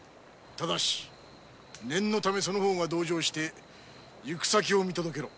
ただし念のためその方が同乗して行き先を見届けろ！